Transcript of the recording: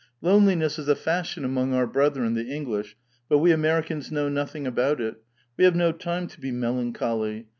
Loneliness is a fashion among our brethren, the Eng lish, but we Americans know nothing about it ; we have no time to be melancholy.